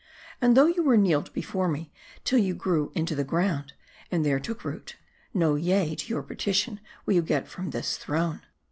And though you here kneeled before me till you grew into the ground, and there took root, no yea to your petition will you get from this throne.